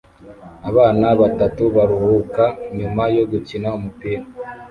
Abana batatu baruhuka nyuma yo gukina umupira